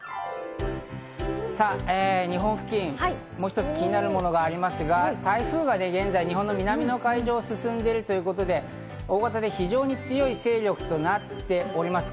さぁ日本付近、もう一つ気になるものがありますが、台風が現在、南の海上を進んでいるということで、大型で非常に強い勢力となっております。